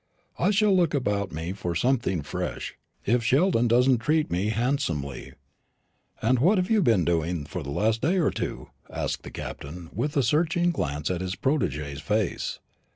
I shall look about me for something fresh, if Sheldon doesn't treat me handsomely. And what have you been doing for the last day or two?" asked the Captain, with a searching glance at his protégé's face.